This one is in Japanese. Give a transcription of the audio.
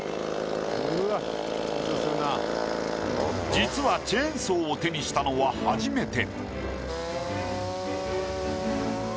実はチェーンソーを手にしたのは初めて。